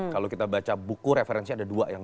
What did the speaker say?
kalau kita baca buku referensi ada dua yang